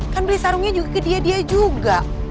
kan beli sarungnya juga ke dia dia juga